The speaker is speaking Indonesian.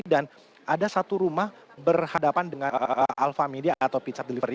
dan ada satu rumah berhadapan dengan alfa midi atau pizza hut delivery